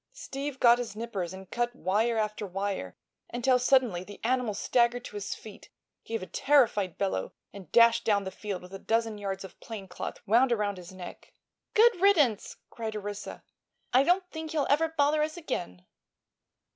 Steve got his nippers and cut wire after wire until suddenly the animal staggered to his feet, gave a terrified bellow and dashed down the field with a dozen yards of plane cloth wound around his neck. "Good riddance!" cried Orissa. "I don't think he'll ever bother us again."